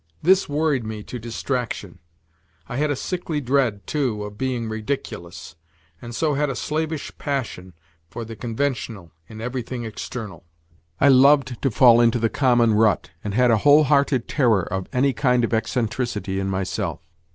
This worried me to distraction. I had a sickly dread, too, of being ridiculous, and so had a slavish passion for the conventional in everything external. I loved to fall into the common rut, and had a whole hearted terror of any kind of eccentricity in myself.